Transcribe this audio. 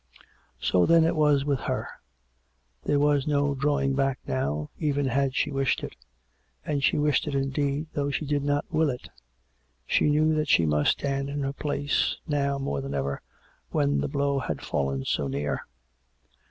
So, then, it was with her. There was no drawing back now, even had she wished it. And she wished it indeed, though she did not will it; she knew that she must stand in her place, now more than ever, when the blow had fallen so near.